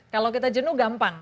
kalau kita jenuh gampang